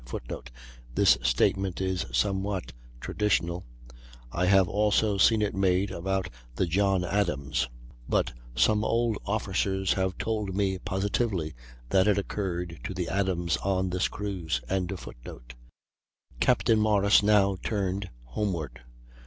[Footnote: This statement is somewhat traditional; I have also seen it made about the John Adams. But some old officers have told me positively that it occurred to the Adams on this cruise.] Capt. Morris now turned homeward.